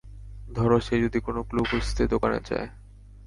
ধরো সে যদি কোনো ক্লু খুঁজতে দোকানে যায়?